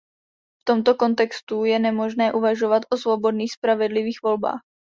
V tomto kontextu je nemožné uvažovat o svobodných, spravedlivých volbách.